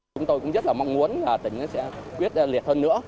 chúng tôi cũng rất mong muốn tỉnh sẽ quyết liệt hơn nữa